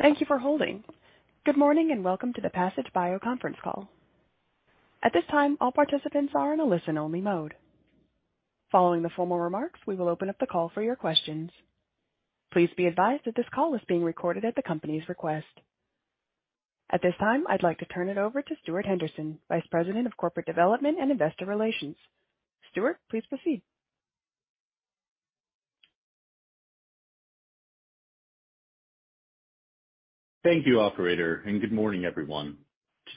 Thank you for holding. Good morning, and welcome to the Passage Bio conference call. At this time, all participants are in a listen-only mode. Following the formal remarks, we will open up the call for your questions. Please be advised that this call is being recorded at the company's request. At this time, I'd like to turn it over to Stuart Henderson, Vice President of Corporate Development and Investor Relations. Stuart, please proceed. Thank you, operator. Good morning, everyone.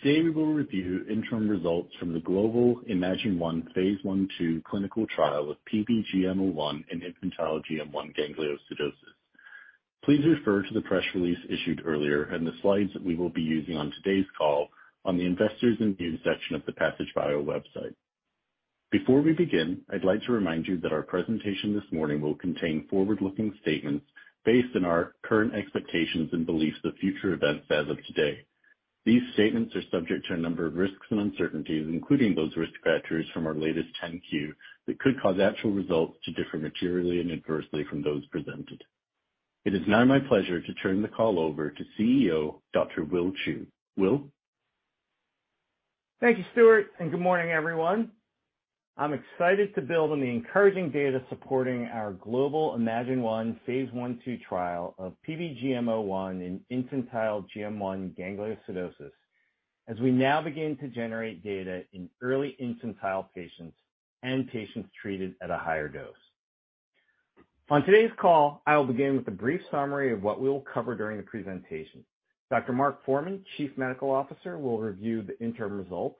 Today we will review interim results from the global Imagine-1 phase I/phase II clinical trial of PBGM01 in infantile GM1 gangliosidosis. Please refer to the press release issued earlier and the slides that we will be using on today's call on the Investors and View section of the Passage Bio website. Before we begin, I'd like to remind you that our presentation this morning will contain forward-looking statements based on our current expectations and beliefs of future events as of today. These statements are subject to a number of risks and uncertainties, including those risk factors from our latest 10-Q, that could cause actual results to differ materially and adversely from those presented. It is now my pleasure to turn the call over to Chief Executive Officer, Dr. Will Chou. Will? Thank you, Stuart. Good morning, everyone. I'm excited to build on the encouraging data supporting our global Imagine-1 phase I/phase II trial of PBGM01 in infantile GM1 gangliosidosis as we now begin to generate data in early infantile patients and patients treated at a higher dose. On today's call, I will begin with a brief summary of what we will cover during the presentation. Dr. Mark Forman, Chief Medical Officer, will review the interim results,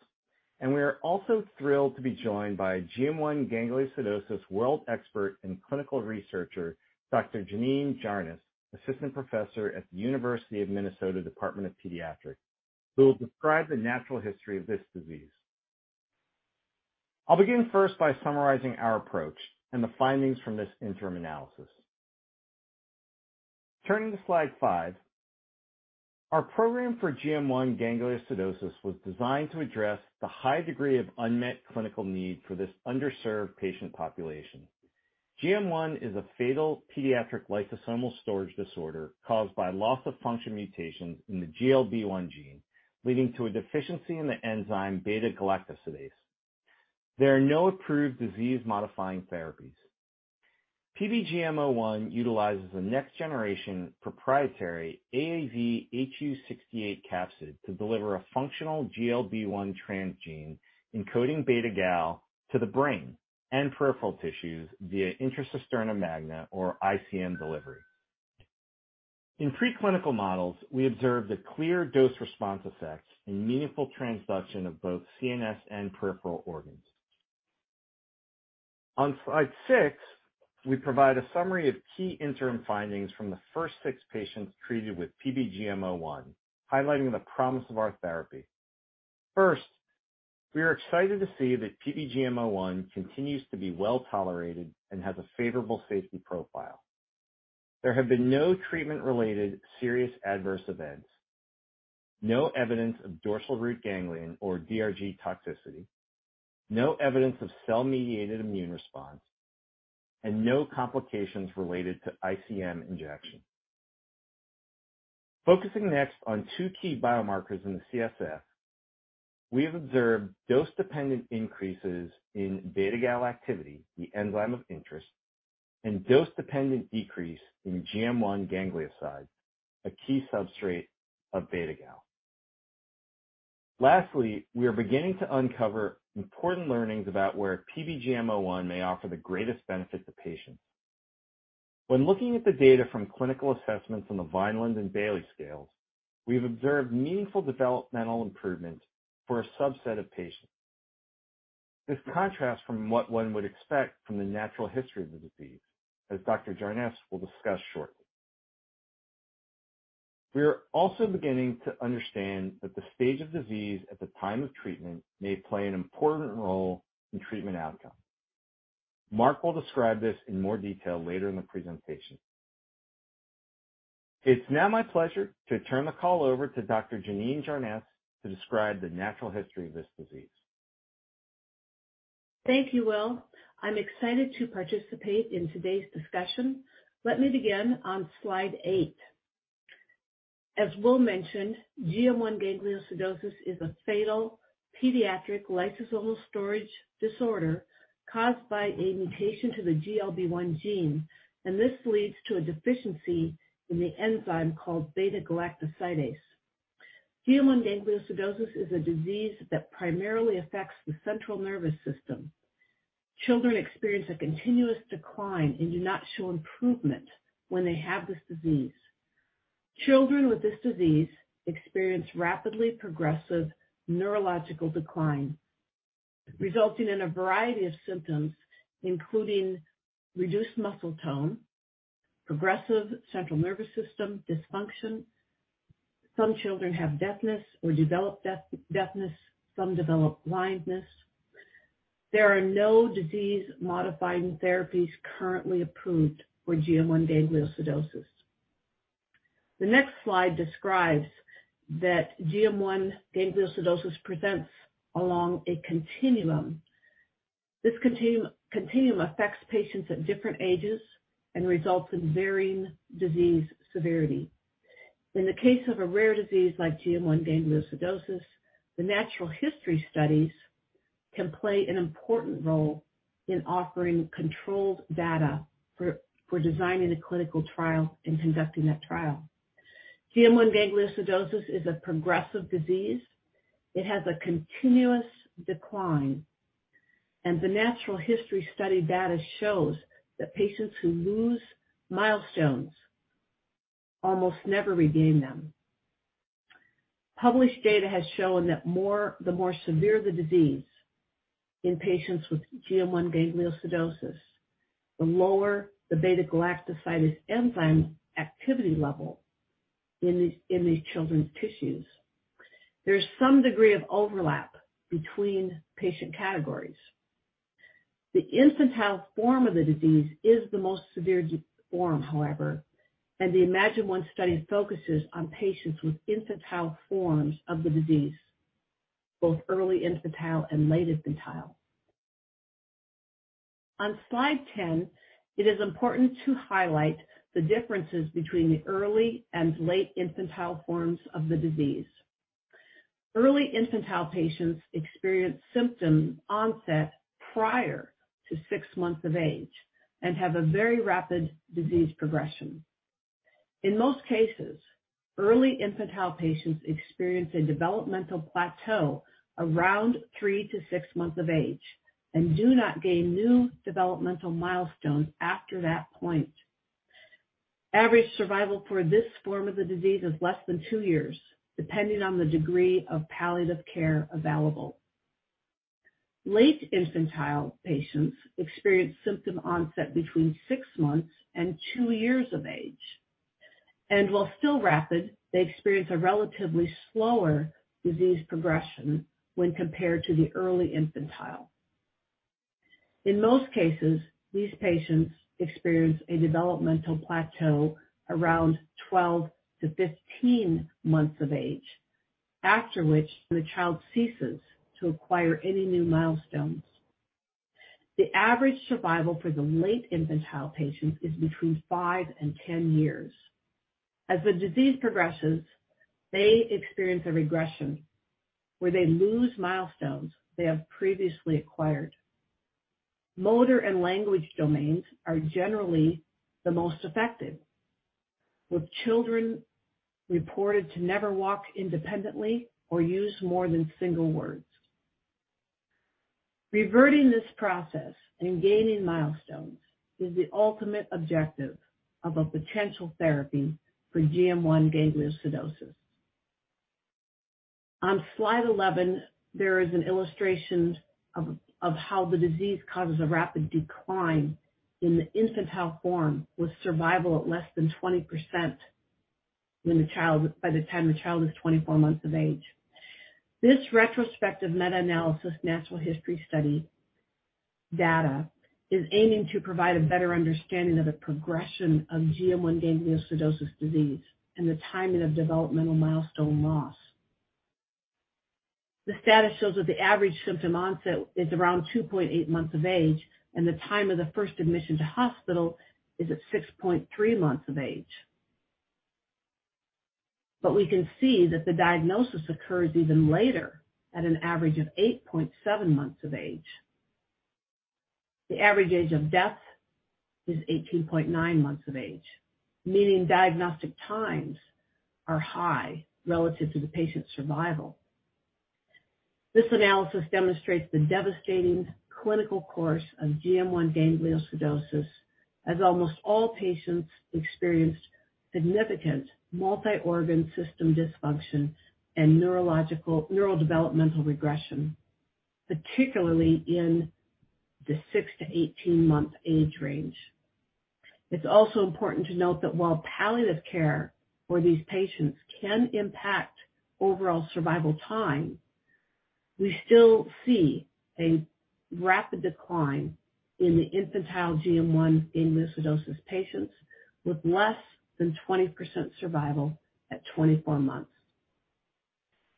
and we are also thrilled to be joined by GM1 gangliosidosis world expert and clinical researcher, Dr. Jeanine Jarnes, Assistant Professor at the University of Minnesota Department of Pediatrics, who will describe the natural history of this disease. I'll begin first by summarizing our approach and the findings from this interim analysis. Turning to slide five. Our program for GM1 gangliosidosis was designed to address the high degree of unmet clinical need for this underserved patient population. GM1 is a fatal pediatric lysosomal storage disorder caused by loss of function mutations in the GLB1 gene, leading to a deficiency in the enzyme beta-galactosidase. There are no approved disease-modifying therapies. PBGM01 utilizes a next generation proprietary AAVhu68 capsid to deliver a functional GLB1 transgene encoding beta-galactosidase to the brain and peripheral tissues via intra-cisterna magna or ICM delivery. In preclinical models, we observed a clear dose response effect and meaningful transduction of both CNS and peripheral organs. On slide six, we provide a summary of key interim findings from the first six patients treated with PBGM01, highlighting the promise of our therapy. First, we are excited to see that PBGM01 continues to be well-tolerated and has a favorable safety profile. There have been no treatment-related serious adverse events, no evidence of dorsal root ganglion or DRG toxicity, no evidence of cell-mediated immune response, and no complications related to ICM injection. Focusing next on two key biomarkers in the CSF. We have observed dose-dependent increases in beta-galactosidase activity, the enzyme of interest, and dose-dependent decrease in GM1 ganglioside, a key substrate of beta-galactosidase. Lastly, we are beginning to uncover important learnings about where PBGM01 may offer the greatest benefit to patients. When looking at the data from clinical assessments on the Vineland and Bayley Scales, we have observed meaningful developmental improvement for a subset of patients. This contrasts from what one would expect from the natural history of the disease, as Dr. Jarnes will discuss shortly. We are also beginning to understand that the stage of disease at the time of treatment may play an important role in treatment outcome. Mark will describe this in more detail later in the presentation. It's now my pleasure to turn the call over to Dr. Jeanine Jarnes to describe the natural history of this disease. Thank you, Will. I'm excited to participate in today's discussion. Let me begin on slide eight. As Will mentioned, GM1 gangliosidosis is a fatal pediatric lysosomal storage disorder caused by a mutation to the GLB1 gene, and this leads to a deficiency in the enzyme called beta-galactosidase. GM1 gangliosidosis is a disease that primarily affects the central nervous system. Children experience a continuous decline and do not show improvement when they have this disease. Children with this disease experience rapidly progressive neurological decline, resulting in a variety of symptoms, including reduced muscle tone, progressive central nervous system dysfunction. Some children have deafness or develop deafness. Some develop blindness. There are no disease-modifying therapies currently approved for GM1 gangliosidosis. The next slide describes that GM1 gangliosidosis presents along a continuum. This continuum affects patients at different ages and results in varying disease severity. In the case of a rare disease like GM1 gangliosidosis, the natural history studies can play an important role in offering controlled data for designing a clinical trial and conducting that trial. GM1 gangliosidosis is a progressive disease. It has a continuous decline, and the natural history study data shows that patients who lose milestones almost never regain them. Published data has shown that the more severe the disease in patients with GM1 gangliosidosis, the lower the beta-galactosidase enzyme activity level in the children's tissues. There's some degree of overlap between patient categories. The infantile form of the disease is the most severe form, however, and the Imagine-1 study focuses on patients with infantile forms of the disease, both early infantile and late infantile. On Slide 10, it is important to highlight the differences between the early and late infantile forms of the disease. Early infantile patients experience symptom onset prior to six months of age and have a very rapid disease progression. In most cases, early infantile patients experience a developmental plateau around three to six months of age and do not gain new developmental milestones after that point. Average survival for this form of the disease is less than two years, depending on the degree of palliative care available. Late infantile patients experience symptom onset between six months and two years of age. While still rapid, they experience a relatively slower disease progression when compared to the early infantile. In most cases, these patients experience a developmental plateau around 12 months-15 months of age, after which the child ceases to acquire any new milestones. The average survival for the late infantile patients is between five years and 10 years. As the disease progresses, they experience a regression where they lose milestones they have previously acquired. Motor and language domains are generally the most affected, with children reported to never walk independently or use more than single words. Reverting this process and gaining milestones is the ultimate objective of a potential therapy for GM1 gangliosidosis. On Slide 11, there is an illustration of how the disease causes a rapid decline in the infantile form, with survival at less than 20% when by the time the child is 24 months of age. This retrospective meta-analysis natural history study data is aiming to provide a better understanding of the progression of GM1 gangliosidosis disease and the timing of developmental milestone loss. The status shows that the average symptom onset is around 2.8 months of age, and the time of the first admission to hospital is at 6.3 months of age. We can see that the diagnosis occurs even later, at an average of 8.7 months of age. The average age of death is 18.9 months of age, meaning diagnostic times are high relative to the patient's survival. This analysis demonstrates the devastating clinical course of GM1 gangliosidosis, as almost all patients experienced significant multi-organ system dysfunction and neurodevelopmental regression, particularly in the six-month to 18-month age range. It's also important to note that while palliative care for these patients can impact overall survival time, we still see a rapid decline in the infantile GM1 gangliosidosis patients with less than 20% survival at 24 months.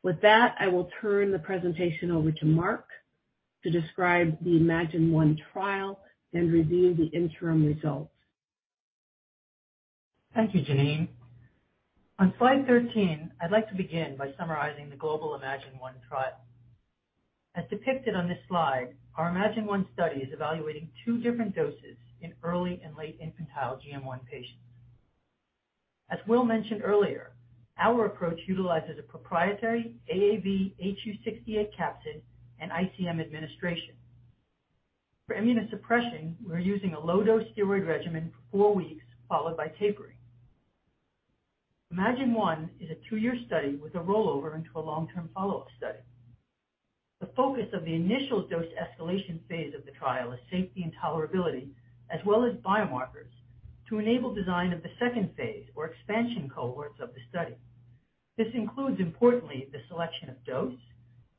With that, I will turn the presentation over to Mark to describe the Imagine-1 trial and review the interim results. Thank you, Jeanine. On Slide 13, I'd like to begin by summarizing the global Imagine-1 trial. As depicted on this slide, our Imagine-1 study is evaluating two different doses in early and late infantile GM1 patients. As Will mentioned earlier, our approach utilizes a proprietary AAVhu68 capsid and ICM administration. For immunosuppression, we're using a low-dose steroid regimen for four weeks, followed by tapering. Imagine-1 is a two-year study with a rollover into a long-term follow-up study. The focus of the initial dose escalation phase of the trial is safety and tolerability, as well as biomarkers, to enable design of the second phase or expansion cohorts of the study. This includes, importantly, the selection of dose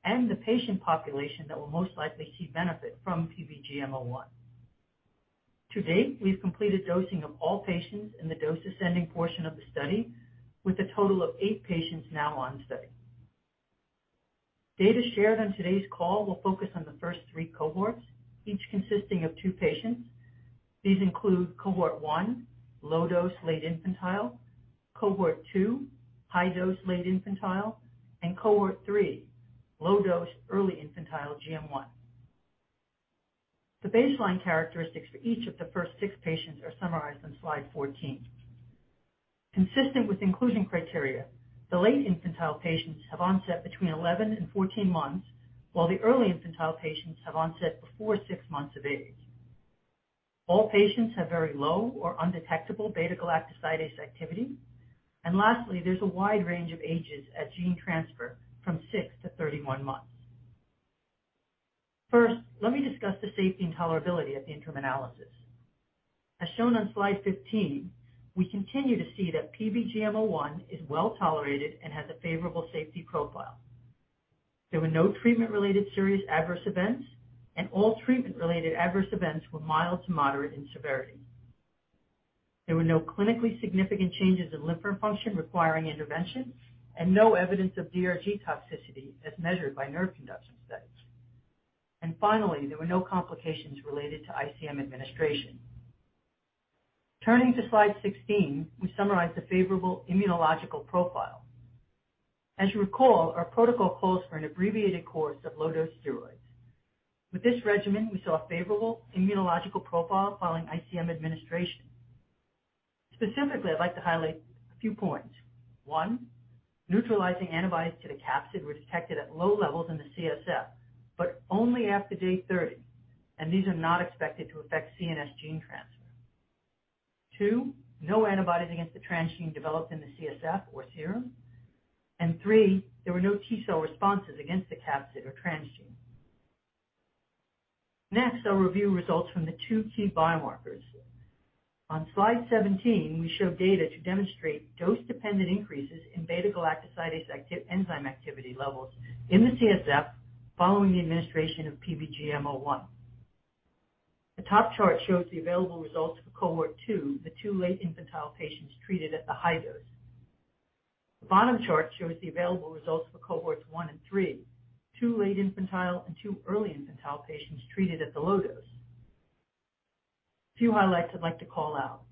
and the patient population that will most likely see benefit from PBGM01. To date, we've completed dosing of all patients in the dose-ascending portion of the study, with a total of eight patients now on study. Data shared on today's call will focus on the first three cohorts, each consisting of two patients. These include cohort 1, low dose late infantile, cohort 2, high dose late infantile, and cohort 3, low dose early infantile GM1. The baseline characteristics for each of the first six patients are summarized on Slide 14. Consistent with inclusion criteria, the late infantile patients have onset between 11 months and 14 months, while the early infantile patients have onset before six months of age. All patients have very low or undetectable beta-galactosidase activity. Lastly, there's a wide range of ages at gene transfer from 6 months-31 months. First, let me discuss the safety and tolerability of the interim analysis. As shown on Slide 15, we continue to see that PBGM01 is well-tolerated and has a favorable safety profile. There were no treatment-related serious adverse events, and all treatment-related adverse events were mild to moderate in severity. There were no clinically significant changes in liver function requiring intervention and no evidence of DRG toxicity as measured by nerve conduction studies. Finally, there were no complications related to ICM administration. Turning to Slide 16, we summarize the favorable immunological profile. As you recall, our protocol calls for an abbreviated course of low-dose steroids. With this regimen, we saw a favorable immunological profile following ICM administration. Specifically, I'd like to highlight a few points. one, neutralizing antibodies to the capsid were detected at low levels in the CSF, but only after day 30. These are not expected to affect CNS gene transfer. Two, no antibodies against the transgene developed in the CSF or serum. Three, there were no T-cell responses against the capsid or transgene. Next, I'll review results from the two key biomarkers. On Slide 17, we show data to demonstrate dose-dependent increases in beta-galactosidase enzyme activity levels in the CSF following the administration of PBGM01. The top chart shows the available results for cohort 2, the two late infantile patients treated at the high dose. The bottom chart shows the available results for cohort 1 and cohort 3, two late infantile and two early infantile patients treated at the low dose. A few highlights I'd like to call out.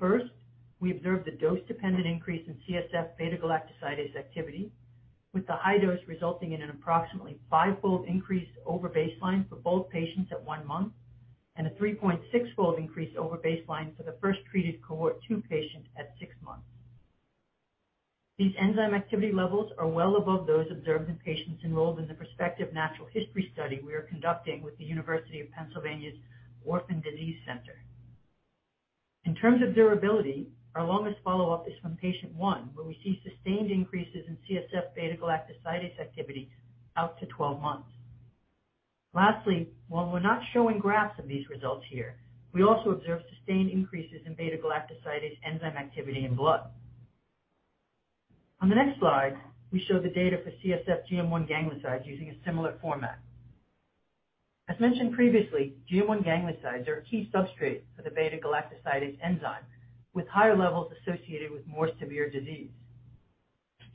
First, we observed a dose-dependent increase in CSF beta-galactosidase activity, with the high dose resulting in an approximately five-fold increase over baseline for both patients at one month and a 3.6-fold increase over baseline for the first-treated cohort 2 patient at six months. These enzyme activity levels are well above those observed in patients enrolled in the prospective natural history study we are conducting with the University of Pennsylvania's Orphan Disease Center. In terms of durability, our longest follow-up is from patient one, where we see sustained increases in CSF beta-galactosidase activity out to 12 months. Lastly, while we're not showing graphs of these results here, we also observed sustained increases in beta-galactosidase enzyme activity in blood. On the next slide, we show the data for CSF GM1 gangliosides using a similar format. As mentioned previously, GM1 gangliosides are a key substrate for the beta-galactosidase enzyme, with higher levels associated with more severe disease.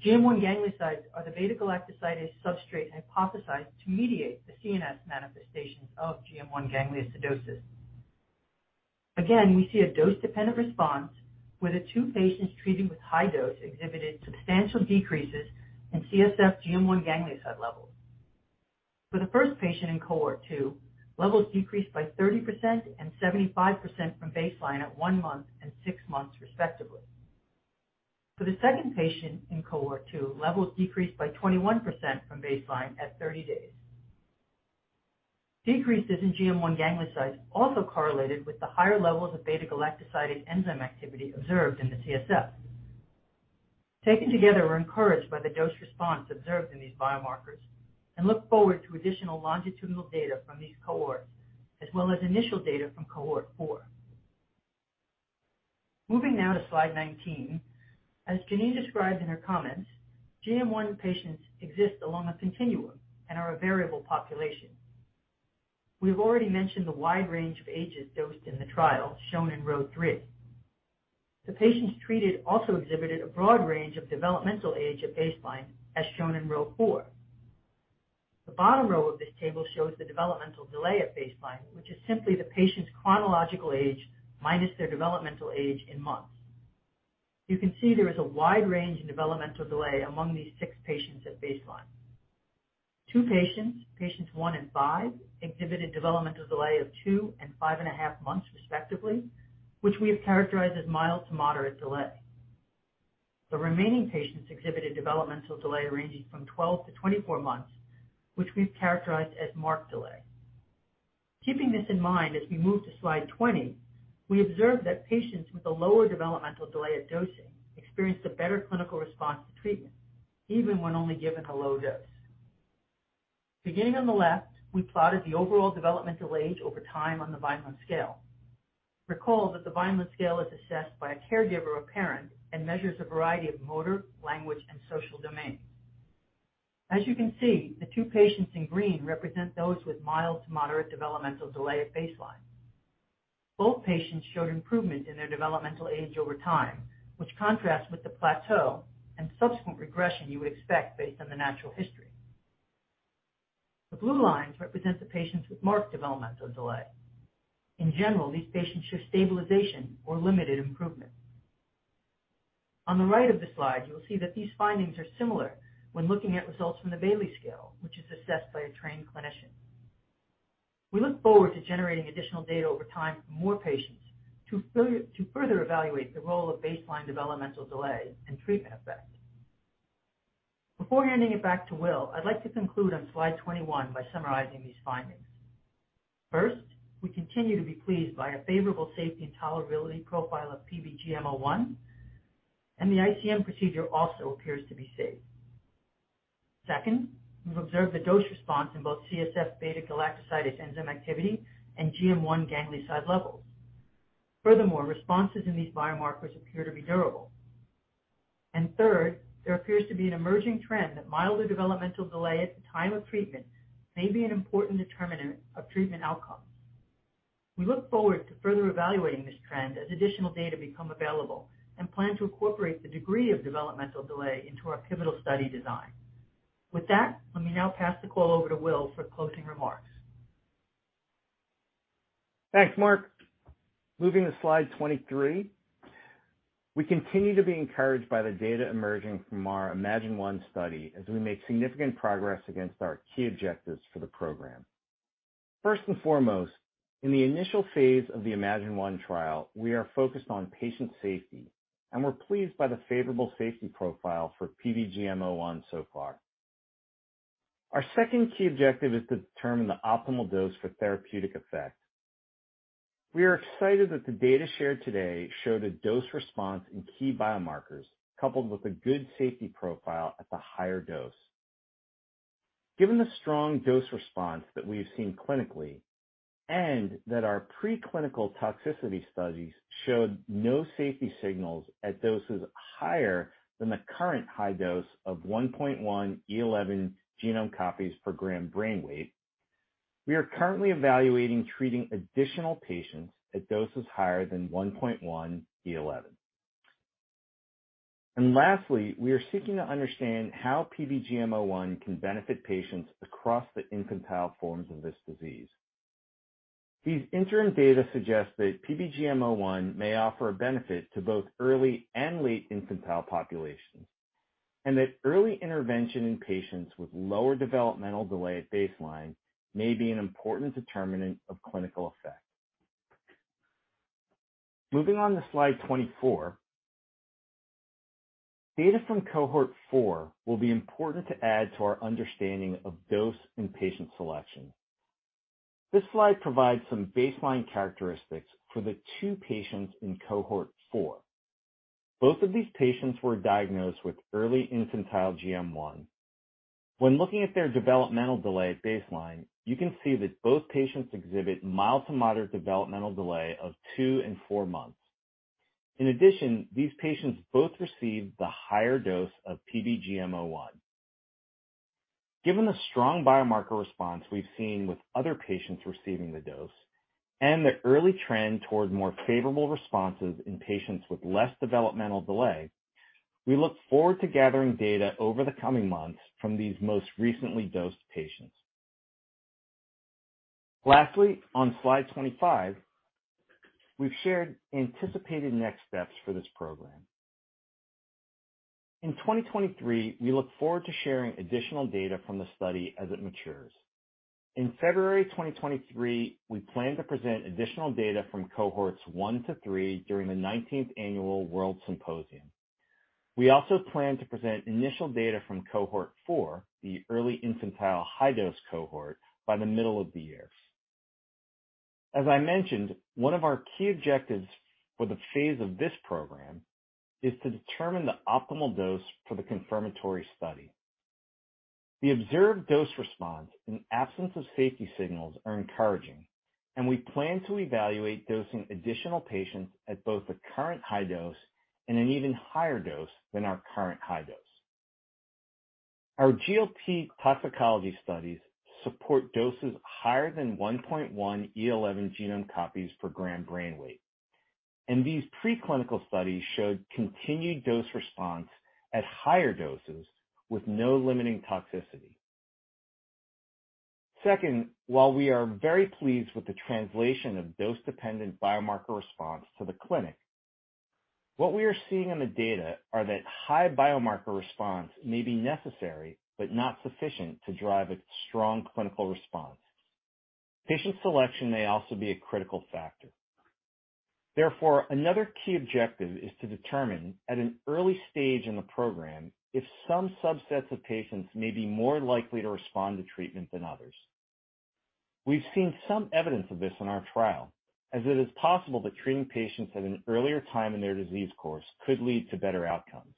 GM1 gangliosides are the beta-galactosidase substrate hypothesized to mediate the CNS manifestations of GM1 gangliosidosis. We see a dose-dependent response where the two patients treated with high dose exhibited substantial decreases in CSF GM1 ganglioside levels. For the first patient in cohort 2, levels decreased by 30% and 75% from baseline at one month and six months, respectively. For the second patient in cohort 2, levels decreased by 21% from baseline at 30 days. Decreases in GM1 gangliosides also correlated with the higher levels of beta-galactosidase enzyme activity observed in the CSF. Taken together, we're encouraged by the dose response observed in these biomarkers and look forward to additional longitudinal data from these cohorts, as well as initial data from cohort 4. Moving now to Slide 19. As Jeanine described in her comments, GM1 patients exist along a continuum and are a variable population. We've already mentioned the wide range of ages dosed in the trial, shown in row three. The patients treated also exhibited a broad range of developmental age at baseline, as shown in row four. The bottom row of this table shows the developmental delay at baseline, which is simply the patient's chronological age minus their developmental age in months. You can see there is a wide range in developmental delay among these six patients at baseline. Two patients, one and five, exhibited developmental delay of two months and 5.5 months, respectively, which we have characterized as mild to moderate delay. The remaining patients exhibited developmental delay ranging from 12 months-24 months, which we've characterized as marked delay. Keeping this in mind as we move to Slide 20, we observed that patients with a lower developmental delay at dosing experienced a better clinical response to treatment, even when only given a low dose. Beginning on the left, we plotted the overall developmental age over time on the Vineland scale. Recall that the Vineland scale is assessed by a caregiver or parent and measures a variety of motor, language, and social domains. As you can see, the two patients in green represent those with mild to moderate developmental delay at baseline. Both patients showed improvement in their developmental age over time, which contrasts with the plateau and subsequent regression you would expect based on the natural history. The blue lines represent the patients with marked developmental delay. In general, these patients show stabilization or limited improvement. On the right of the slide, you will see that these findings are similar when looking at results from the Bayley Scale, which is assessed by a trained clinician. We look forward to generating additional data over time from more patients to further evaluate the role of baseline developmental delay and treatment effect. Before handing it back to Will, I'd like to conclude on Slide 21 by summarizing these findings. First, we continue to be pleased by a favorable safety and tolerability profile of PBGM01 and the ICM procedure also appears to be safe. Second, we've observed a dose response in both CSF beta galactoside enzyme activity and GM1 ganglioside levels. Furthermore, responses in these biomarkers appear to be durable. Third, there appears to be an emerging trend that milder developmental delay at the time of treatment may be an important determinant of treatment outcomes. We look forward to further evaluating this trend as additional data become available and plan to incorporate the degree of developmental delay into our pivotal study design. With that, let me now pass the call over to Will for closing remarks. Thanks, Mark. Moving to Slide 23. We continue to be encouraged by the data emerging from our Imagine-1 study as we make significant progress against our key objectives for the program. First and foremost, in the initial phase of the Imagine-1 trial, we are focused on patient safety, and we're pleased by the favorable safety profile for PBGM01 so far. Our second key objective is to determine the optimal dose for therapeutic effect. We are excited that the data shared today showed a dose response in key biomarkers, coupled with a good safety profile at the higher dose. Given the strong dose response that we've seen clinically, and that our preclinical toxicity studies showed no safety signals at doses higher than the current high dose of 1.1E11 genome copies per gram brain weight, we are currently evaluating treating additional patients at doses higher than 1.1E11. Lastly, we are seeking to understand how PBGM01 can benefit patients across the infantile forms of this disease. These interim data suggest that PBGM01 may offer a benefit to both early and late infantile populations, and that early intervention in patients with lower developmental delay at baseline may be an important determinant of clinical effect. Moving on to Slide 24. Data from cohort 4 will be important to add to our understanding of dose and patient selection. This slide provides some baseline characteristics for the two patients in cohort 4. Both of these patients were diagnosed with early infantile GM1. When looking at their developmental delay at baseline, you can see that both patients exhibit mild to moderate developmental delay of two and four months. These patients both received the higher dose of PBGM01. Given the strong biomarker response we've seen with other patients receiving the dose and the early trend toward more favorable responses in patients with less developmental delay, we look forward to gathering data over the coming months from these most recently dosed patients. On Slide 25, we've shared anticipated next steps for this program. In 2023, we look forward to sharing additional data from the study as it matures. In February 2023, we plan to present additional data from cohort 1-cohort 3 during the 19th Annual WORLDSymposium. We also plan to present initial data from cohort 4, the early infantile high-dose cohort, by the middle of the year. As I mentioned, one of our key objectives for the phase of this program is to determine the optimal dose for the confirmatory study. The observed dose response and absence of safety signals are encouraging, and we plan to evaluate dosing additional patients at both the current high dose and an even higher dose than our current high dose. Our GLP toxicology studies support doses higher than 1.1E11 genome copies per gram brain weight, and these preclinical studies showed continued dose response at higher doses with no limiting toxicity. Second, while we are very pleased with the translation of dose-dependent biomarker response to the clinic, what we are seeing in the data are that high biomarker response may be necessary but not sufficient to drive a strong clinical response. Patient selection may also be a critical factor. Therefore, another key objective is to determine at an early stage in the program if some subsets of patients may be more likely to respond to treatment than others. We've seen some evidence of this in our trial, as it is possible that treating patients at an earlier time in their disease course could lead to better outcomes.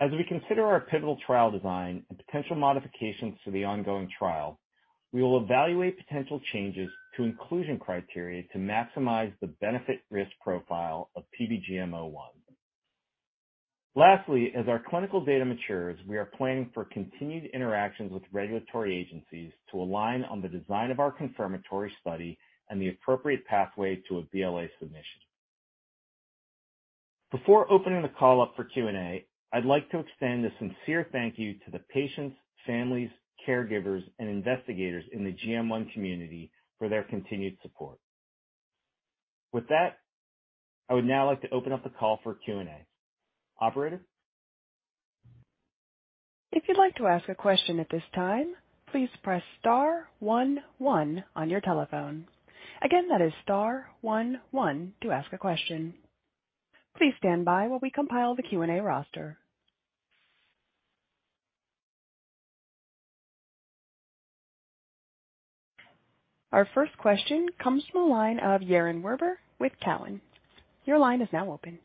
As we consider our pivotal trial design and potential modifications to the ongoing trial. We will evaluate potential changes to inclusion criteria to maximize the benefit risk profile of PBGM01. As our clinical data matures, we are planning for continued interactions with regulatory agencies to align on the design of our confirmatory study and the appropriate pathway to a BLA submission. Before opening the call up for Q&A, I'd like to extend a sincere thank you to the patients, families, caregivers, and investigators in the GM1 community for their continued support. With that, I would now like to open up the call for Q&A. Operator? If you'd like to ask a question at this time, please press star one one on your telephone. Again, that is star one one to ask a question. Please stand by while we compile the Q&A roster. Our first question comes from the line of Yaron Werber with Cowen. Your line is now open.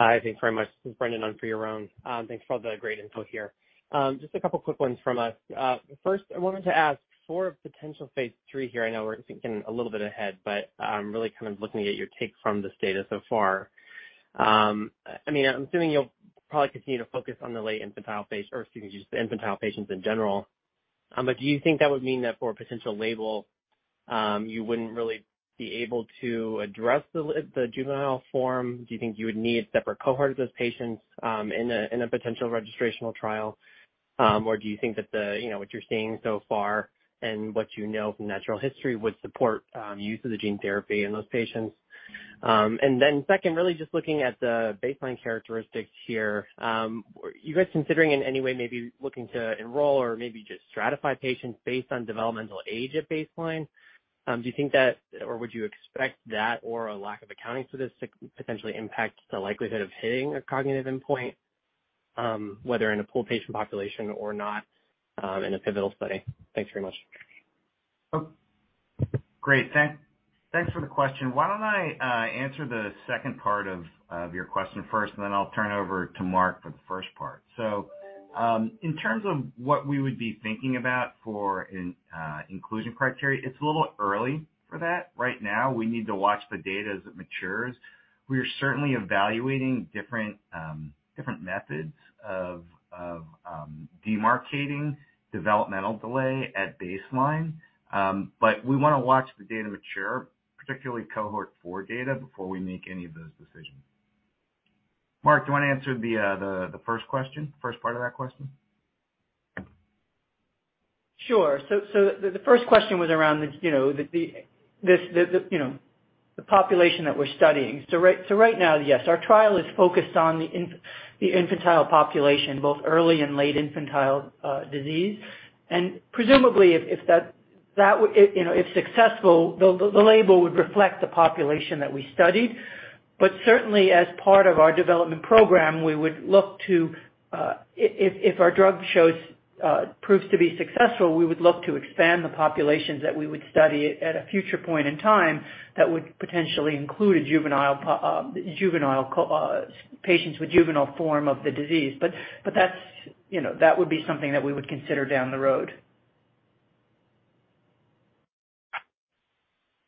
Hi, thanks very much. This is Brendan on for Yeron. Thanks for all the great input here. Just a couple of quick ones from us. First, I wanted to ask for potential phase III here. I know we're thinking a little bit ahead, really kind of looking at your take from this data so far. I mean, I'm assuming you'll probably continue to focus on the late infantile phase or excuse me, just the infantile patients in general. Do you think that would mean that for a potential label, you wouldn't really be able to address the juvenile form? Do you think you would need separate cohorts of patients, in a potential registrational trial? Do you think that the, you know, what you're seeing so far and what you know from natural history would support use of the gene therapy in those patients? Second, really just looking at the baseline characteristics here, are you guys considering in any way maybe looking to enroll or maybe just stratify patients based on developmental age at baseline? Do you think that or would you expect that or a lack of accounting for this to potentially impact the likelihood of hitting a cognitive endpoint, whether in a pool patient population or not, in a pivotal study? Thanks very much. Great. Thanks for the question. Why don't I answer the second part of your question first, and then I'll turn it over to Mark for the first part. In terms of what we would be thinking about for an inclusion criteria, it's a little early for that right now. We need to watch the data as it matures. We are certainly evaluating different methods of demarcating developmental delay at baseline. We wanna watch the data mature, particularly cohort four data, before we make any of those decisions. Mark, do you wanna answer the first question, first part of that question? Sure. The first question was around the, you know, the population that we're studying. Right now, yes, our trial is focused on the infantile population, both early and late infantile disease. Presumably, you know, if successful, the label would reflect the population that we studied. Certainly as part of our development program, we would look to, if our drug shows, proves to be successful, we would look to expand the populations that we would study at a future point in time that would potentially include a juvenile patients with juvenile form of the disease. That's, you know, that would be something that we would consider down the road.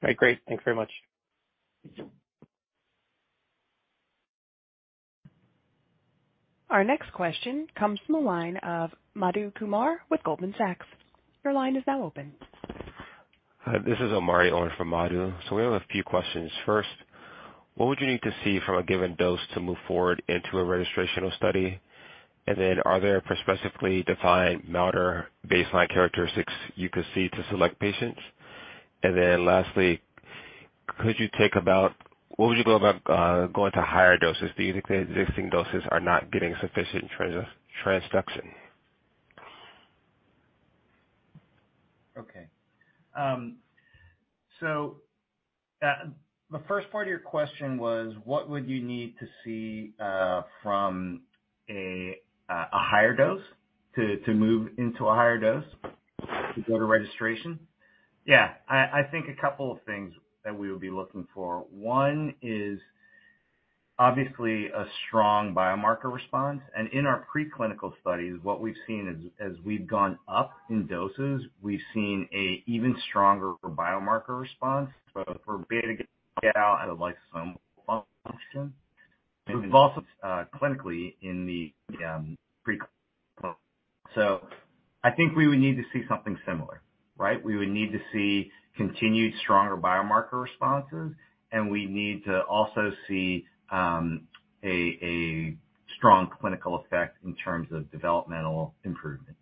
Right. Great. Thank you very much. Our next question comes from the line of Madhu Kumar with Goldman Sachs. Your line is now open. Hi, this is Omari on for Madhu. We have a few questions. First, what would you need to see from a given dose to move forward into a registrational study? Are there prospectively defined milder baseline characteristics you could see to select patients? Lastly, what would you go about going to higher doses? Do you think the existing doses are not getting sufficient transduction? Okay. The first part of your question was what would you need to see from a higher dose to move into a higher dose to go to registration? Yeah. I think a couple of things that we would be looking for. One is obviously a strong biomarker response. In our pre-clinical studies, what we've seen as we've gone up in doses, we've seen an even stronger biomarker response, both for beta-galactosidase and lysosomal function. We've also clinically in the pre-clinical. I think we would need to see something similar, right? We would need to see continued stronger biomarker responses, and we need to also see a strong clinical effect in terms of developmental improvement.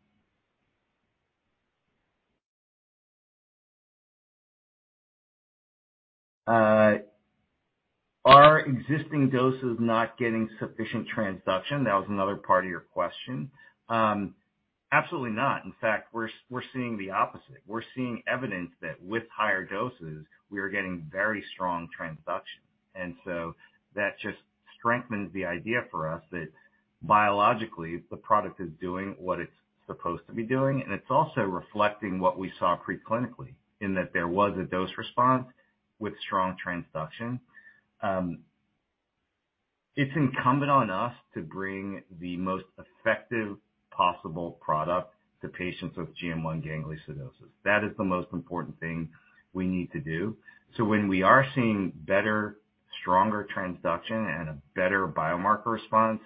Are existing doses not getting sufficient transduction? That was another part of your question. Absolutely not. In fact, we're seeing the opposite. We're seeing evidence that with higher doses, we are getting very strong transduction. That just strengthens the idea for us that biologically, the product is doing what it's supposed to be doing, and it's also reflecting what we saw pre-clinically in that there was a dose response with strong transduction. It's incumbent on us to bring the most effective possible product to patients with GM1 gangliosidosis. That is the most important thing we need to do. When we are seeing better, stronger transduction and a better biomarker response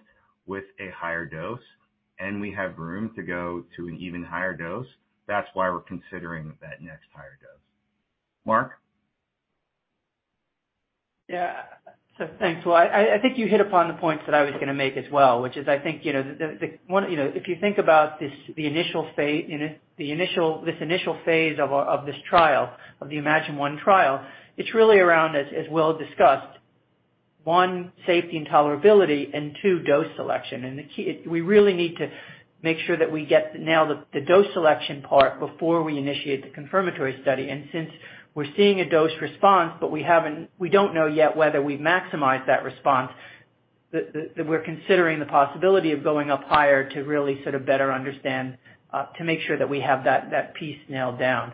with a higher dose, and we have room to go to an even higher dose, that's why we're considering that next higher dose. Mark? Thanks. Well, I think you hit upon the points that I was gonna make as well, which is I think, you know, the one, you know, if you think about this initial phase of our, of this trial, of the Imagine-1 trial, it's really around, as Will discussed, one, safety and tolerability, and two, dose selection. The key is we really need to make sure that we get now the dose selection part before we initiate the confirmatory study. Since we're seeing a dose response, but we haven't we don't know yet whether we've maximized that response, that we're considering the possibility of going up higher to really sort of better understand, to make sure that we have that piece nailed down.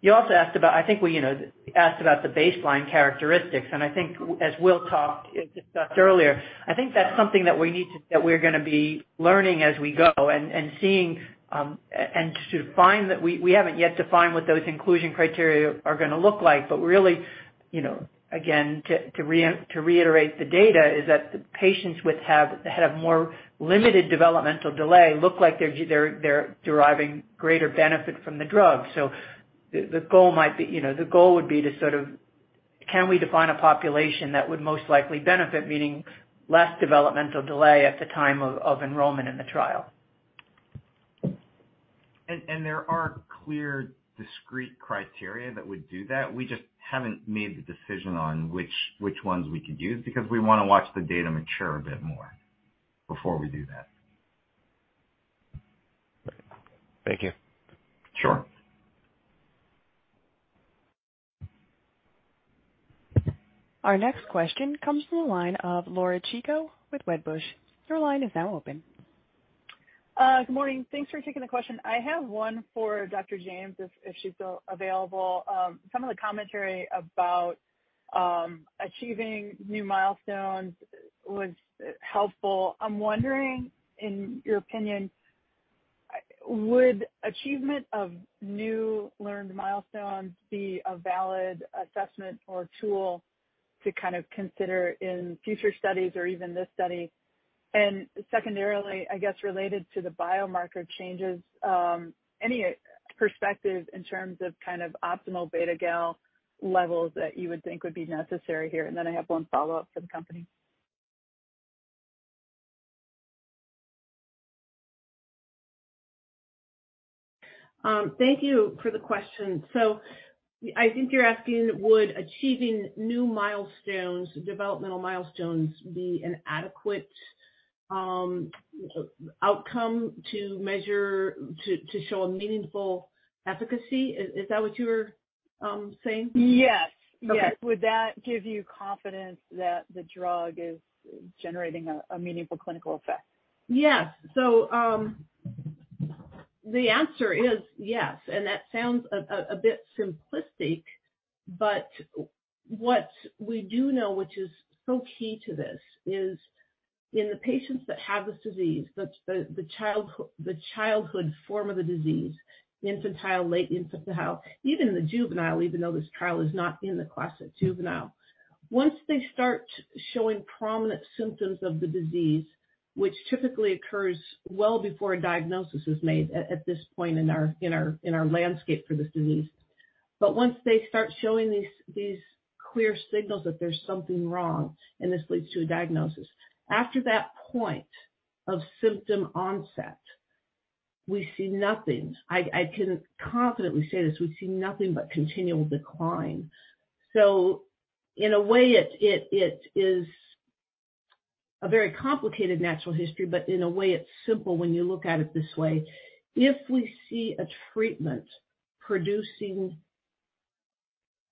You also asked about I think we, you know, asked about the baseline characteristics. I think as Will talked, discussed earlier, I think that's something that we're gonna be learning as we go and seeing, and to find that we haven't yet defined what those inclusion criteria are gonna look like. Really, you know, again, to reiterate the data is that the patients which have, had a more limited developmental delay look like they're deriving greater benefit from the drug. The goal might be, you know, the goal would be to sort of can we define a population that would most likely benefit, meaning less developmental delay at the time of enrollment in the trial. There are clear, discrete criteria that would do that. We just haven't made the decision on which ones we could use because we wanna watch the data mature a bit more before we do that. Thank you. Sure. Our next question comes from the line of Laura Chico with Wedbush. Your line is now open. Good morning. Thanks for taking the question. I have one for Dr. James if she's still available. Some of the commentary about achieving new milestones was helpful. I'm wondering, in your opinion, would achievement of new learned milestones be a valid assessment or tool to kind of consider in future studies or even this study? Secondarily, I guess related to the biomarker changes, any perspective in terms of kind of optimal beta-galactosidase levels that you would think would be necessary here? Then I have one follow-up for the company. Thank you for the question. I think you're asking, would achieving new milestones, developmental milestones be an adequate outcome to measure to show a meaningful efficacy? Is that what you're saying? Yes. Okay. Would that give you confidence that the drug is generating a meaningful clinical effect? Yes. The answer is yes, and that sounds a bit simplistic, but what we do know, which is so key to this, is in the patients that have this disease, the childhood form of the disease, infantile, late infantile, even the juvenile, even though this trial is not in the class of juvenile. Once they start showing prominent symptoms of the disease, which typically occurs well before a diagnosis is made at this point in our landscape for this disease. Once they start showing these clear signals that there's something wrong, and this leads to a diagnosis, after that point of symptom onset, we see nothing. I can confidently say this. We see nothing but continual decline. In a way, it is a very complicated natural history, but in a way, it's simple when you look at it this way. If we see a treatment producing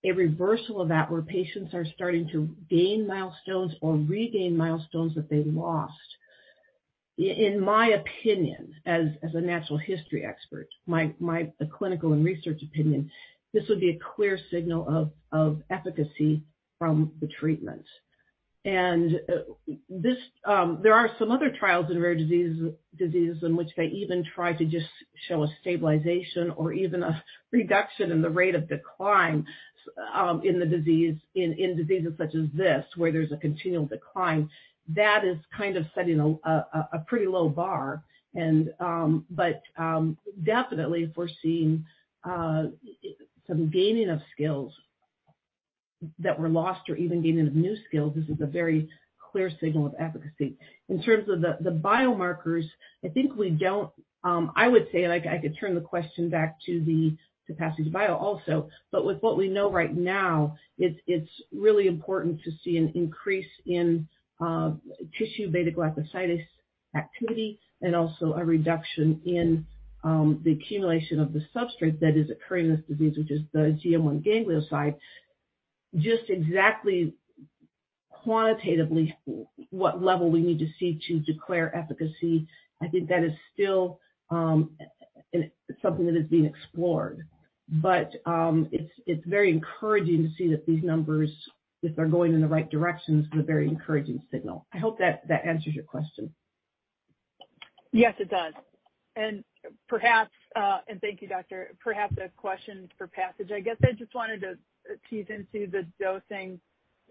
a reversal of that, where patients are starting to gain milestones or regain milestones that they lost, in my opinion, as a natural history expert, my clinical and research opinion, this would be a clear signal of efficacy from the treatment. There are some other trials in rare disease in which they even try to just show a stabilization or even a reduction in the rate of decline in the disease in diseases such as this, where there's a continual decline. That is kind of setting a pretty low bar but definitely if we're seeing some gaining of skills that were lost or even gaining of new skills, this is a very clear signal of efficacy. In terms of the biomarkers, I think we don't, I would say, and I could turn the question back to Passage Bio also, but with what we know right now, it's really important to see an increase in tissue beta-galactosidase activity and also a reduction in the accumulation of the substrate that is occurring in this disease, which is the GM1 ganglioside. Just exactly quantitatively what level we need to see to declare efficacy, I think that is still something that is being explored. It's very encouraging to see that these numbers, if they're going in the right direction, is a very encouraging signal. I hope that answers your question. Yes, it does. Perhaps, thank you, Doctor. Perhaps a question for Passage. I guess I just wanted to tease into the dosing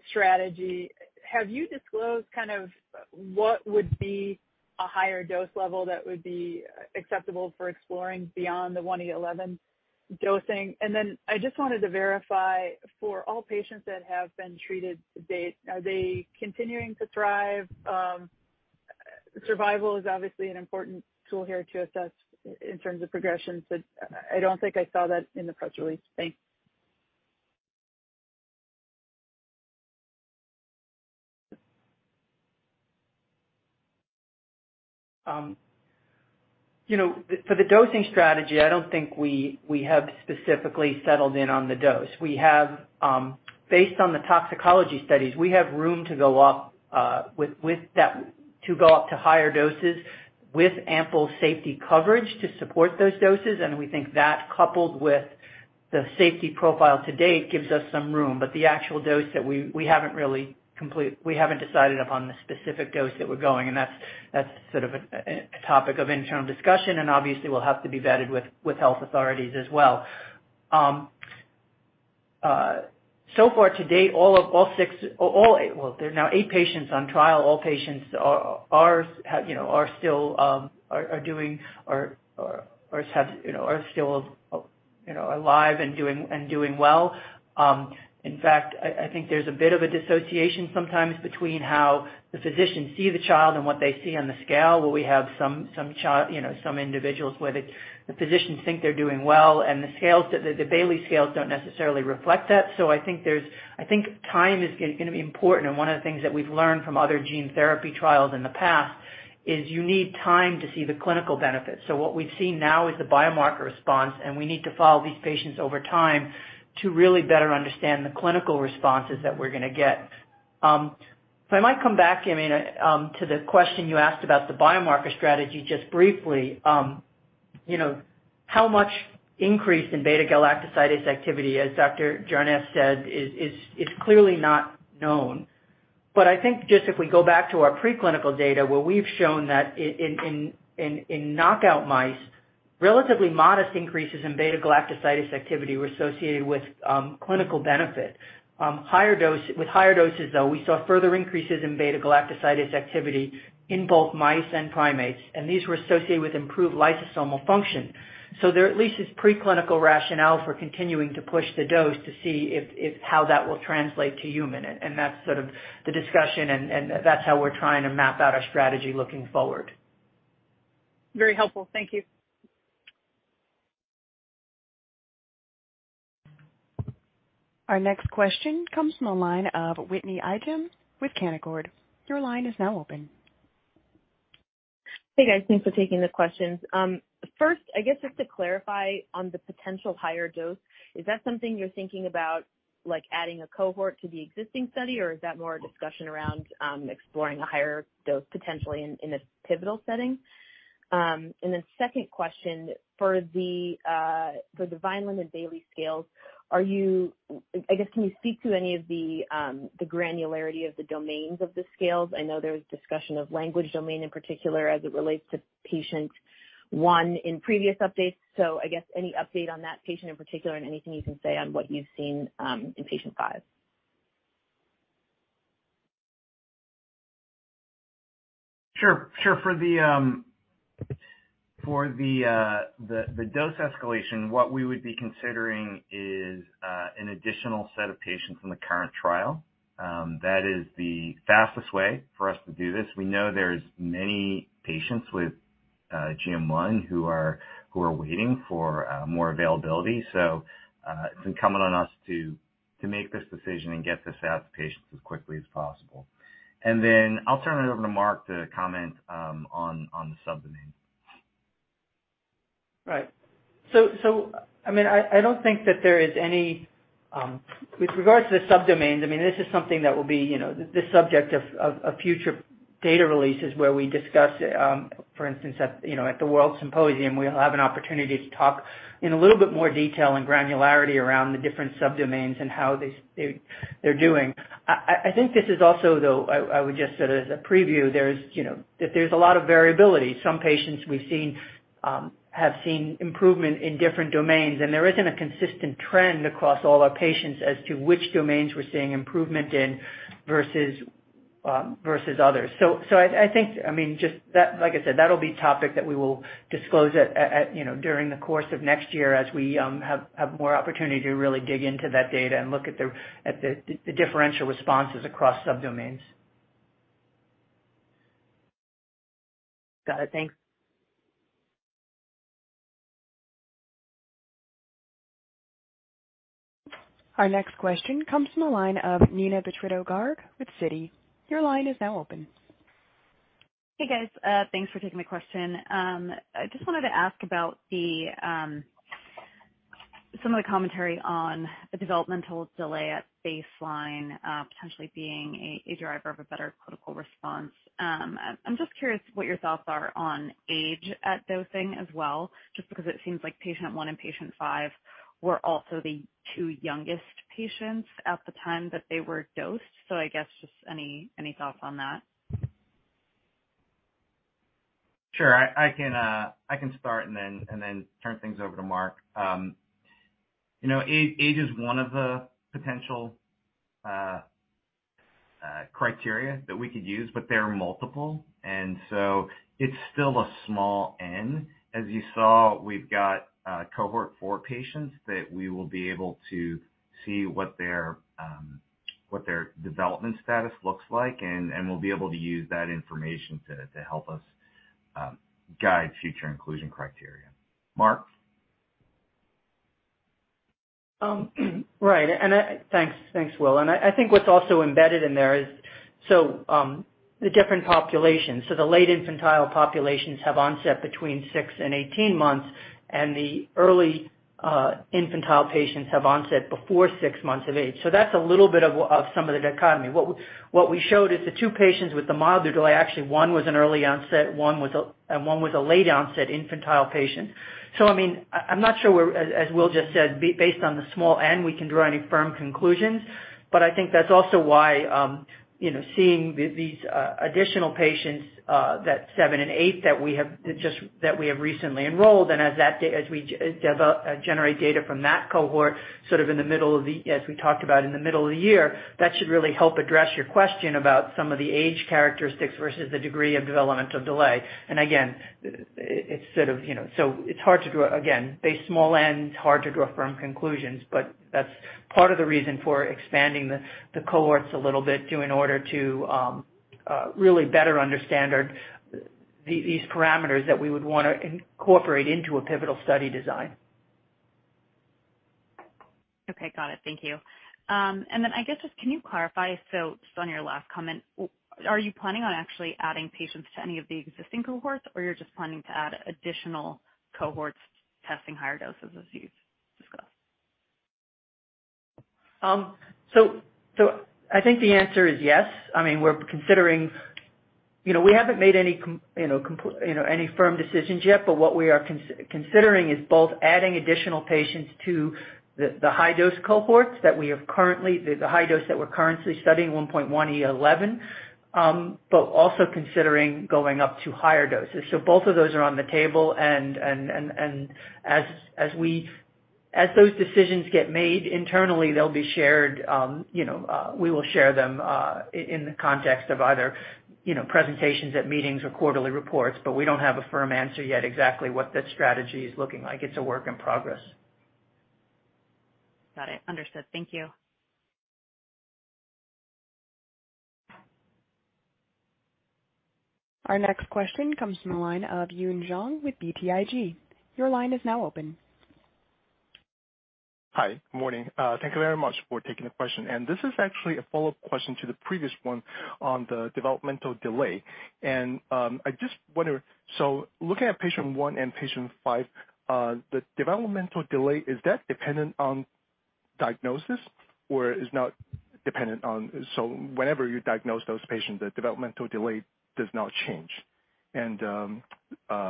strategy. Have you disclosed kind of what would be a higher dose level that would be acceptable for exploring beyond the 1.1E11 dosing? I just wanted to verify, for all patients that have been treated to date, are they continuing to thrive? Survival is obviously an important tool here to assess in terms of progression, but I don't think I saw that in the press release. Thanks. You know, for the dosing strategy, I don't think we have specifically settled in on the dose. We have, based on the toxicology studies, we have room to go up to higher doses with ample safety coverage to support those doses. We think that coupled with the safety profile to date gives us some room. The actual dose that we haven't decided upon the specific dose that we're going, and that's sort of a topic of internal discussion, and obviously, will have to be vetted with health authorities as well. So far to date, all of, all 6, all 8... Well, there are now 8 patients on trial. All patients are, you know, are still, are doing or have, you know, are still, you know, alive and doing well. In fact, I think there's a bit of a dissociation sometimes between how the physicians see the child and what they see on the scale, where we have some child, you know, some individuals where the physicians think they're doing well, and the scales, the Bayley Scales don't necessarily reflect that. I think there's, I think time is gonna be important. One of the things that we've learned from other gene therapy trials in the past is you need time to see the clinical benefit. What we've seen now is the biomarker response, and we need to follow these patients over time to really better understand the clinical responses that we're gonna get. If I might come back, Jamie, to the question you asked about the biomarker strategy just briefly. you know, how much increase in beta-galactosidase activity, as Dr. Jarnes said, is clearly not known. I think just if we go back to our preclinical data, where we've shown that in knockout mice, relatively modest increases in beta-galactosidase activity were associated with clinical benefit. higher doses, though, we saw further increases in beta-galactosidase activity in both mice and primates, and these were associated with improved lysosomal function. There at least is preclinical rationale for continuing to push the dose to see if how that will translate to human. that's sort of the discussion and that's how we're trying to map out our strategy looking forward. Very helpful. Thank you. Our next question comes from the line of Whitney Ijem with Canaccord. Your line is now open. Hey, guys. Thanks for taking the questions. First, I guess just to clarify on the potential higher dose, is that something you're thinking about, like adding a cohort to the existing study, or is that more a discussion around exploring a higher dose potentially in a pivotal setting? Second question, for the Vineland and Bayley Scales, I guess can you speak to any of the granularity of the domains of the scales? I know there was discussion of language domain in particular as it relates to patient one in previous updates. I guess any update on that patient in particular and anything you can say on what you've seen in patient five. Sure. Sure. For the dose escalation, what we would be considering is an additional set of patients in the current trial. That is the fastest way for us to do this. We know there's many patients with GM1 who are waiting for more availability. It's incumbent on us to make this decision and get this out to patients as quickly as possible. Then I'll turn it over to Mark to comment on the subdomain. Right. I mean, I don't think that there is any with regards to the subdomains, I mean, this is something that will be, you know, the subject of a future data releases where we discuss, for instance, at, you know, at the WORLDSymposium, we'll have an opportunity to talk in a little bit more detail and granularity around the different subdomains and how they're doing. I think this is also, though, I would just sort of as a preview, there's, you know, that there's a lot of variability. Some patients we've seen have seen improvement in different domains, and there isn't a consistent trend across all our patients as to which domains we're seeing improvement in versus versus others. I think, I mean, just that, like I said, that'll be topic that we will disclose at, you know, during the course of next year as we have more opportunity to really dig into that data and look at the differential responses across subdomains. Got it. Thanks. Our next question comes from the line of Neena Bitritto-Garg with Citi. Your line is now open. Hey, guys. Thanks for taking the question. I just wanted to ask about the commentary on the developmental delay at baseline, potentially being a driver of a better clinical response. I'm just curious what your thoughts are on age at dosing as well, just because it seems like patient one and patient five were also the two youngest patients at the time that they were dosed. I guess just any thoughts on that. Sure. I can start and then turn things over to Mark. You know, age is one of the potential criteria that we could use, but there are multiple, and so it's still a small N. As you saw, we've got cohort four patients that we will be able to see what their development status looks like, and we'll be able to use that information to help us guide future inclusion criteria. Mark? Right. Thanks, Will. I think what's also embedded in there is the different populations. The late infantile populations have onset between six months and 18 months, and the early infantile patients have onset before six months of age. That's a little bit of some of the dichotomy. What we showed is the two patients with the milder delay, actually, one was an early onset, one was a late onset infantile patient. I mean, I'm not sure where, as Will just said, based on the small N, we can draw any firm conclusions. I think that's also why, you know, seeing these additional patients, that seven and eight that we have just, that we have recently enrolled, and as we generate data from that cohort, sort of in the middle of the, as we talked about in the middle of the year, that should really help address your question about some of the age characteristics versus the degree of developmental delay. Again, it's sort of, you know. It's hard to draw, again, base small N, it's hard to draw firm conclusions, but that's part of the reason for expanding the cohorts a little bit to, in order to, really better understand our, these parameters that we would wanna incorporate into a pivotal study design. Okay. Got it. Thank you. I guess just can you clarify, just on your last comment, are you planning on actually adding patients to any of the existing cohorts, or you're just planning to add additional cohorts testing higher doses as you've discussed? I think the answer is yes. I mean, we're considering. You know, we haven't made any firm decisions yet, but what we are considering is both adding additional patients to the high-dose cohorts that we have currently, the high dose that we're currently studying, 1.1E11, but also considering going up to higher doses. Both of those are on the table and as we, as those decisions get made internally, they'll be shared, you know, we will share them in the context of either, you know, presentations at meetings or quarterly reports. But we don't have a firm answer yet exactly what the strategy is looking like. It's a work in progress. Got it. Understood. Thank you. Our next question comes from the line of Yun Zhong with BTIG. Your line is now open. Hi. Good morning. Thank you very much for taking the question. This is actually a follow-up question to the previous one on the developmental delay. I just wonder, looking at patient one and patient five, the developmental delay, is that dependent on diagnosis or is not dependent on... Whenever you diagnose those patients, the developmental delay does not change? I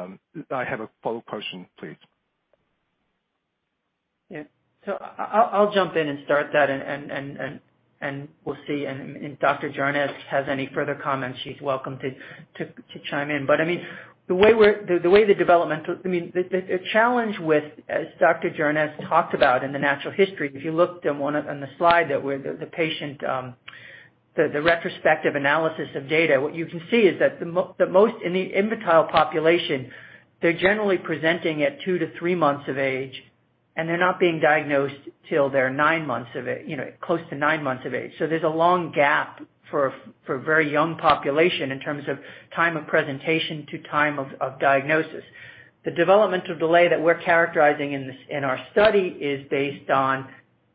have a follow question, please. Yeah. I'll jump in and start that and we'll see and Dr. Jarnes has any further comments, she's welcome to chime in. I mean, the challenge with, as Dr. Jarnes talked about in the natural history, if you looked on one of, on the slide that where the patient, the retrospective analysis of data, what you can see is that the most in the infantile population, they're generally presenting at two to three months of age, and they're not being diagnosed till they're, you know, close to nine months of age. There's a long gap for a very young population in terms of time of presentation to time of diagnosis. The developmental delay that we're characterizing in this, in our study is based on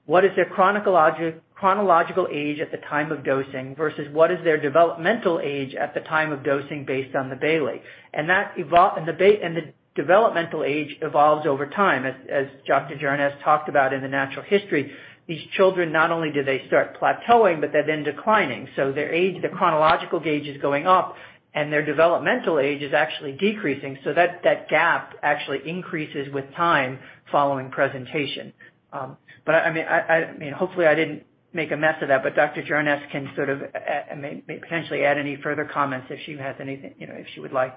what is their chronological age at the time of dosing versus what is their developmental age at the time of dosing based on the Bayley. The developmental age evolves over time. As Dr. Jarnes talked about in the natural history, these children, not only do they start plateauing, but they're then declining. Their age, the chronological gauge is going up and their developmental age is actually decreasing. That, that gap actually increases with time following presentation. I mean, I mean, hopefully I didn't make a mess of that, but Dr. Jarnes can sort of, and may potentially add any further comments if she has anything, you know, if she would like.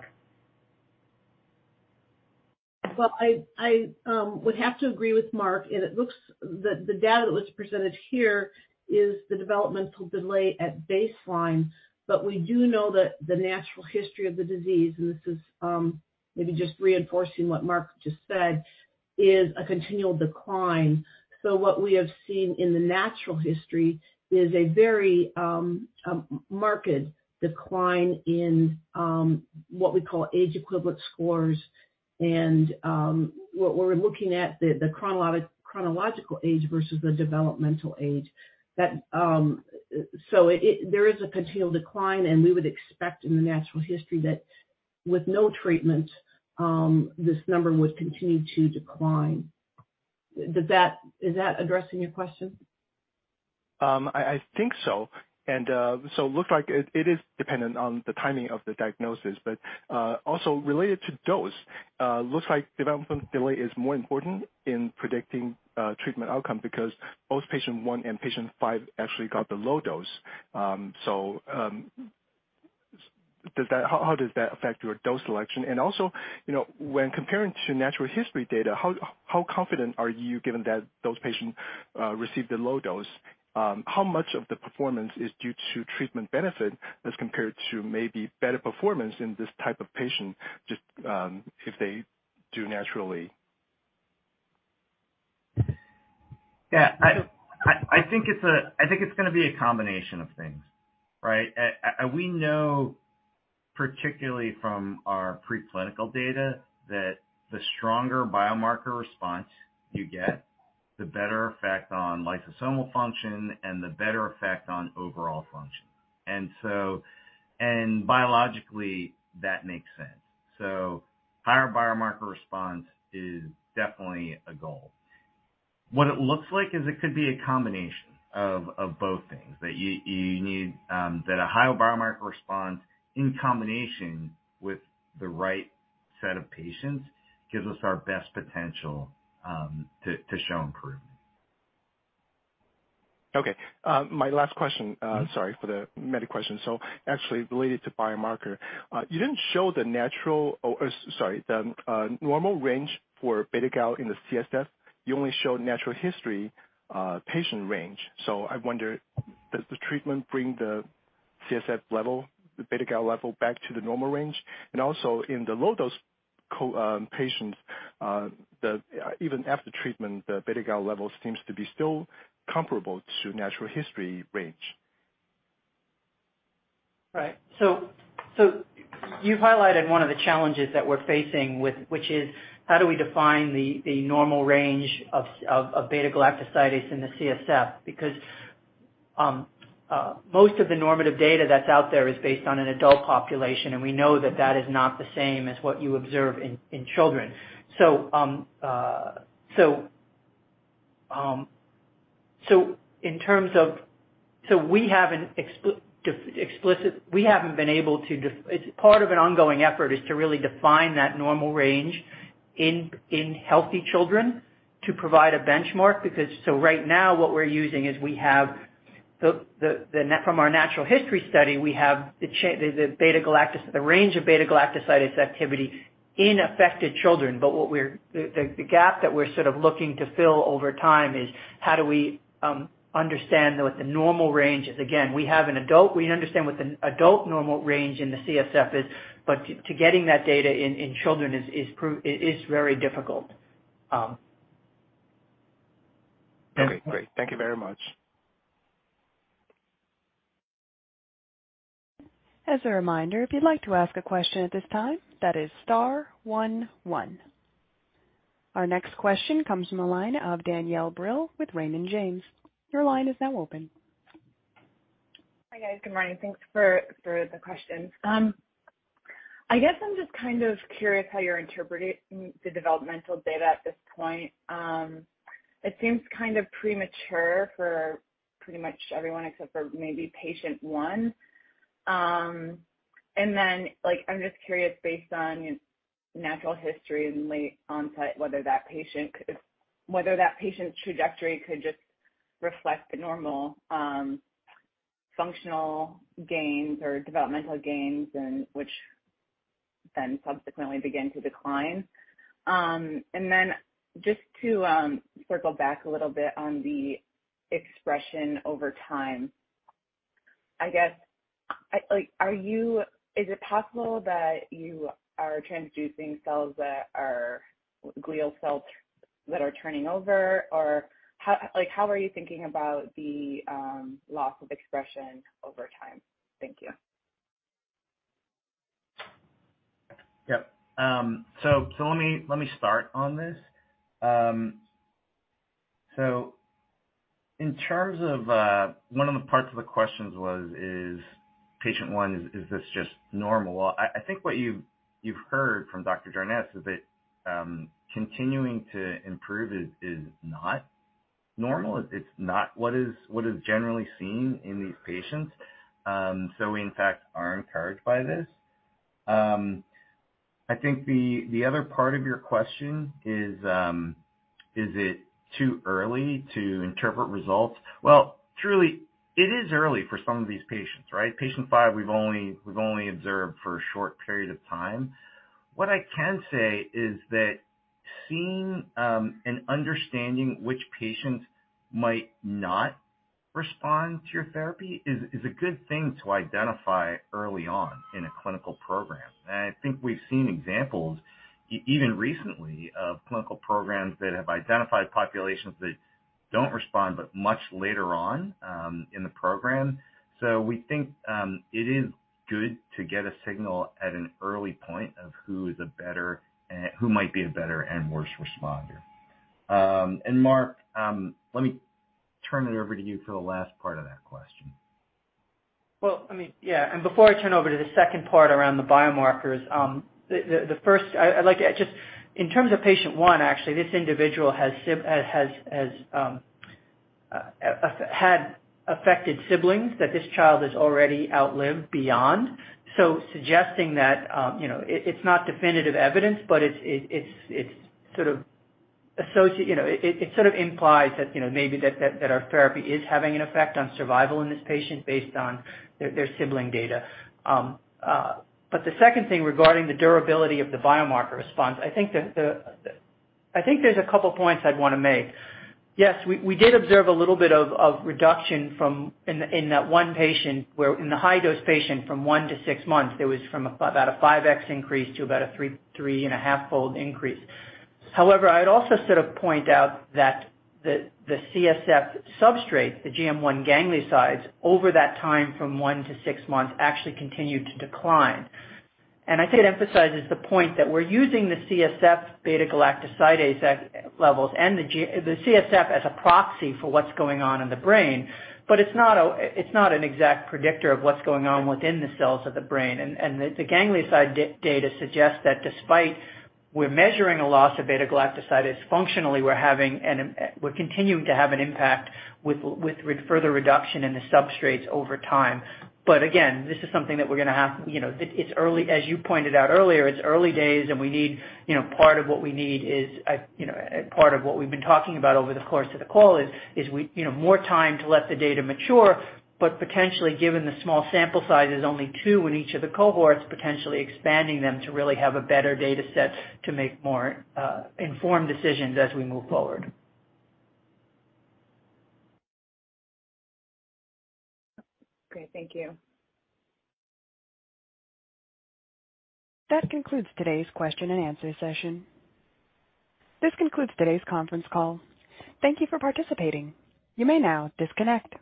I would have to agree with Mark, and it looks. The data that was presented here is the developmental delay at baseline, but we do know that the natural history of the disease, and this is maybe just reinforcing what Mark just said, is a continual decline. What we have seen in the natural history is a very marked decline in what we call age equivalent scores. What we're looking at, the chronological age versus the developmental age, there is a continual decline, and we would expect in the natural history that. With no treatment, this number would continue to decline. Is that addressing your question? I think so. It looks like it is dependent on the timing of the diagnosis. Also related to dose, looks like development delay is more important in predicting, treatment outcome because both patient one and patient five actually got the low dose. How, how does that affect your dose selection? Also, you know, when comparing to natural history data, how confident are you given that those patients, received a low dose, how much of the performance is due to treatment benefit as compared to maybe better performance in this type of patient just, if they do naturally? Yeah. I think it's gonna be a combination of things, right? And we know particularly from our preclinical data that the stronger biomarker response you get, the better effect on lysosomal function and the better effect on overall function. Biologically, that makes sense. Higher biomarker response is definitely a goal. What it looks like is it could be a combination of both things. You need that a higher biomarker response in combination with the right set of patients gives us our best potential to show improvement. Okay. My last question. Mm-hmm. Sorry for the many questions. Actually related to biomarker. You didn't show the natural or sorry, the normal range for beta-galactosidase in the CSF. You only showed natural history patient range. I wonder, does the treatment bring the CSF level, the beta-galactosidase level back to the normal range? Also in the low dose patients, even after treatment, the beta-galactosidase level seems to be still comparable to natural history range. Right. You've highlighted one of the challenges that we're facing with, which is how do we define the normal range of beta-galactosidase in the CSF? Most of the normative data that's out there is based on an adult population, and we know that that is not the same as what you observe in children. We have an explicit. It's part of an ongoing effort, is to really define that normal range in healthy children to provide a benchmark. Right now what we're using is we have from our natural history study, the range of beta-galactosidase activity in affected children. What we're, the gap that we're sort of looking to fill over time is how do we understand what the normal range is? Again, we have an adult, we understand what the adult normal range in the CSF is, to getting that data in children is very difficult. Okay, great. Thank you very much. As a reminder, if you'd like to ask a question at this time, that is star one one. Our next question comes from the line of Danielle Brill with Raymond James. Your line is now open. Hi, guys. Good morning. Thanks for the questions. I guess I'm just kind of curious how you're interpreting the developmental data at this point. It seems kind of premature for pretty much everyone except for maybe patient one. Like, I'm just curious, based on natural history and late onset, whether that patient's trajectory could just reflect normal, functional gains or developmental gains and which then subsequently begin to decline. Just to circle back a little bit on the expression over time. I guess, like, are you, is it possible that you are transducing cells that are glial cells that are turning over? How, like, are you thinking about the loss of expression over time? Thank you. Yep. Let me start on this. In terms of one of the parts of the questions was, is patient one, is this just normal? I think what you've heard from Dr. Jarnes is that continuing to improve is not normal. It's not what is generally seen in these patients. We in fact are encouraged by this. I think the other part of your question is it too early to interpret results? Well, truly it is early for some of these patients, right? Patient 5 we've only observed for a short period of time. What I can say is that seeing and understanding which patients might not respond to your therapy is a good thing to identify early on in a clinical program. I think we've seen examples even recently of clinical programs that have identified populations that don't respond, but much later on, in the program. We think, it is good to get a signal at an early point of who is a better, who might be a better and worse responder. Mark, Turn it over to you for the last part of that question. Well, I mean, yeah. Before I turn over to the second part around the biomarkers, the first I'd like to just. In terms of patient 1, actually, this individual has had affected siblings that this child has already outlived beyond. Suggesting that, you know, it's not definitive evidence, but it's sort of associate, you know, it sort of implies that our therapy is having an effect on survival in this patient based on their sibling data. The second thing regarding the durability of the biomarker response, I think there's a couple points I'd wanna make. Yes, we did observe a little bit of reduction from, in that 1 patient where in the high-dose patient from one to six months, there was from about a 5x increase to about a 3.5 fold increase. However, I'd also sort of point out that the CSF substrate, the GM1 gangliosides, over that time from one to six months actually continued to decline. I think it emphasizes the point that we're using the CSF beta-galactosidase levels and the CSF as a proxy for what's going on in the brain. It's not a, it's not an exact predictor of what's going on within the cells of the brain. The ganglioside data suggests that despite we're measuring a loss of beta-galactosidase, functionally, we're continuing to have an impact with further reduction in the substrates over time. Again, this is something that we're gonna have, you know, it's early, as you pointed out earlier, it's early days and we need, you know, part of what we need is, you know, part of what we've been talking about over the course of the call is we, you know, more time to let the data mature. Potentially, given the small sample size is only two in each of the cohorts, potentially expanding them to really have a better data set to make more informed decisions as we move forward. Great. Thank you. That concludes today's question and answer session. This concludes today's conference call. Thank you for participating. You may now disconnect.